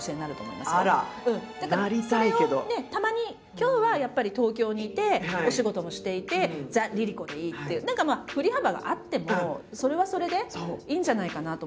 今日はやっぱり東京にいてお仕事もしていてザ・ＬｉＬｉＣｏでいいっていう何かまあ振り幅があってもそれはそれでいいんじゃないかなと思う。